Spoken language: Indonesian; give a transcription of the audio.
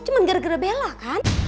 cuman gara gara bella kan